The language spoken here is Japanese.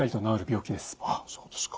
あっそうですか。